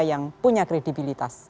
yang punya kredibilitas